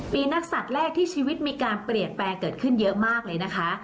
นักศัตริย์แรกที่ชีวิตมีการเปลี่ยนแปลงเกิดขึ้นเยอะมากเลยนะคะ